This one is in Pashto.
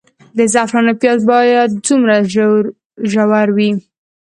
د زعفرانو پیاز باید څومره ژور وي؟